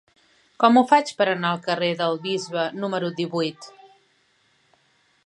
Com ho faig per anar al carrer del Bisbe número divuit?